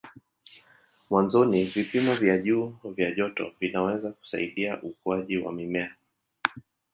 Mwanzoni vipimo vya juu vya joto vinaweza kusaidia ukuaji wa mimea.